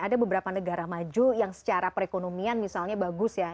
ada beberapa negara maju yang secara perekonomian misalnya bagus ya